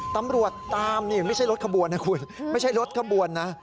ตำรวจตามนี่ไม่ใช่รถขบวนนะคุณไม่ใช่รถขบวนนะ